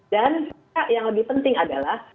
dan yang lebih penting adalah